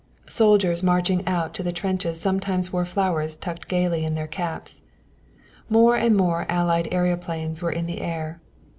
Soldiers marching out to the trenches sometimes wore flowers tucked gayly in their caps. More and more Allied aëroplanes were in the air.